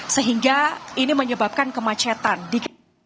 sehingga ini menyebabkan kemacetan dikit